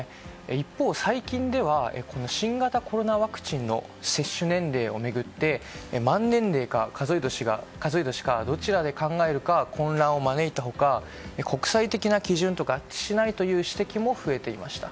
一方、最近では新型コロナワクチンの接種年齢を巡って満年齢か数え年かどちらで考えるか混乱を招いた他、国際的な基準と合致しないという指摘も増えていました。